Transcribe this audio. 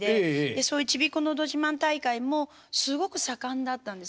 そういうちびっこのど自慢大会もすごく盛んだったんです。